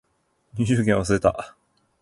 入場券忘れた